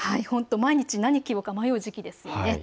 毎日、何を着ようか迷う時期ですよね。